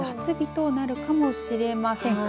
夏日となるかもしれません。